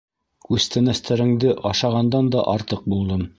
Күстәнәстәреңде ашағандан да артыҡ булдым.